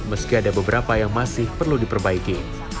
tapi ada yang masih perlu diperbaiki